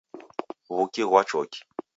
Wuki ghwa choki.